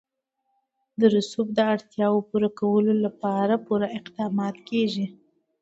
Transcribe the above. د رسوب د اړتیاوو پوره کولو لپاره پوره اقدامات کېږي.